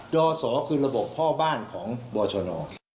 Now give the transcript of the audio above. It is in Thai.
ศคือระบบพ่อบ้านของบอชน